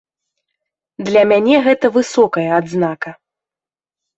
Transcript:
Для мяне гэта высокая адзнака.